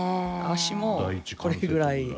足もこれぐらい。